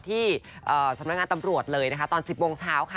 ที่สำนักงานตำรวจเลยนะคะตอน๑๐โมงเช้าค่ะ